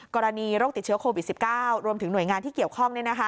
กรณีโรคติดเชื้อโควิด๑๙รวมถึงหน่วยงานที่เกี่ยวข้อง